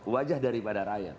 wajah daripada rakyat